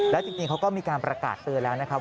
แล้วจริงเขาก็มีการประกาศเตือนแล้วนะครับ